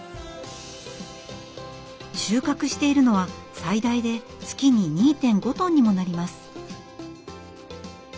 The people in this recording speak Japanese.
収穫しているのは最大で月に２．５トンにもなります。